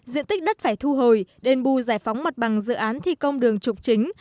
diện tích đất phải thu hồi đền bù giải phóng mặt bằng dự án thi công đường trục chính